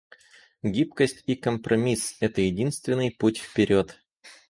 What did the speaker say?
Гибкость и компромисс — это единственный путь вперед.